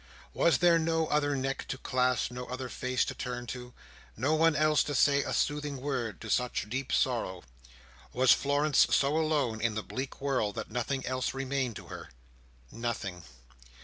Was there no other neck to clasp; no other face to turn to? no one else to say a soothing word to such deep sorrow? Was Florence so alone in the bleak world that nothing else remained to her? Nothing.